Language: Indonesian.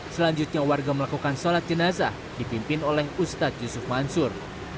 selanjutnya warga melakukan sholat jenazah dipimpin oleh ustadz yusuf mansur